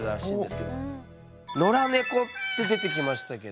「野良猫」って出てきましたけど。